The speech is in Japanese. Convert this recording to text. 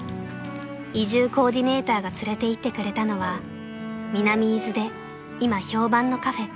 ［移住コーディネーターが連れていってくれたのは南伊豆で今評判のカフェ］